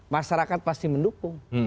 masyarakat pasti mendukung